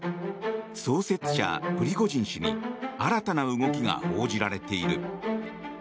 創設者プリゴジン氏に新たな動きが報じられている。